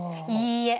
いいえ。